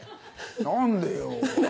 何でよ。